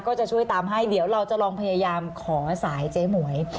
ก็จะช่วยตามให้เดี๋ยวเราจะลองพยายามขอสายเจ๊หมวย